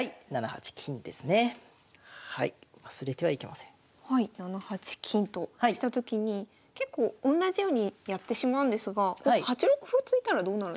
７八金としたときに結構おんなじようにやってしまうんですが８六歩を突いたらどうなるんですか？